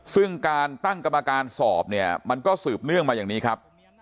ซึ่งการตั้งกรรมการสอบเนี่ยมันก็สืบเนื่องมาอย่างนี้ครับ